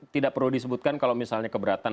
tidak perlu disebutkan kalau misalnya keberatan